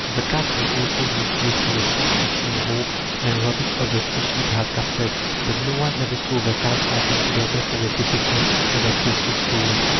The kites will also give chase to the swift fishing hawk, and rob it of the fish it has captured; but no one ever saw the kites fighting together for the possession of the prey so stolen.